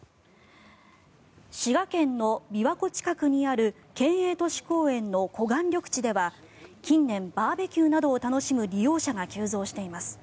滋賀県の琵琶地近くにある県営都市公園の湖岸緑地では近年、バーベキューなどを楽しむ利用者が急増しています。